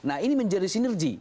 nah ini menjadi sinergi